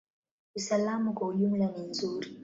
Usalama kwa ujumla ni nzuri.